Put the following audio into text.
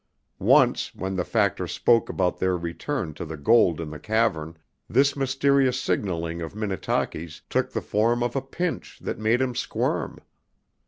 Once, when the factor spoke about their return to the gold in the cavern, this mysterious signaling of Minnetaki's took the form of a pinch that made him squirm.